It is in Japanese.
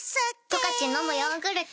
「十勝のむヨーグルト」